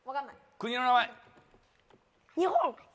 国の名前。